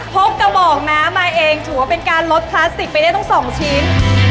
กระบอกน้ำมาเองถือว่าเป็นการลดพลาสติกไปได้ทั้งสองชิ้น